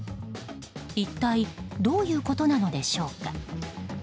一体どういうことなのでしょうか。